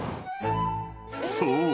［そう。